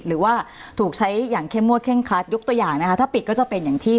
หรือว่าถูกใช้อย่างเข้มงวดเคร่งครัดยกตัวอย่างนะคะถ้าปิดก็จะเป็นอย่างที่